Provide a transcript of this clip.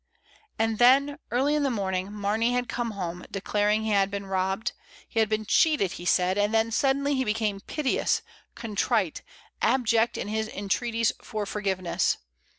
And then in the early morning Mamey had come home, declaring he had been robbed; he had been cheated, he said, and then suddenly he be came piteous, contrite, abject in his entreaties for forgiveness.